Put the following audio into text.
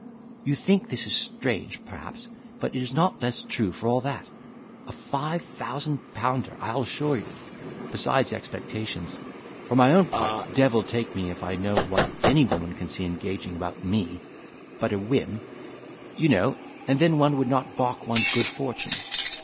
You think this strange, perhaps, but it is not less true for all that—a five thousand pounder, I'll assure you, besides expectations. For my own part, devil take me if I know what any woman can see engaging about me—but a whim, you know—and then one would not balk one's good fortune.